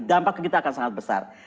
dampak kita akan sangat besar